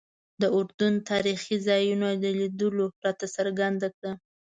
د اردن تاریخي ځایونو لیدلو راته څرګنده کړه.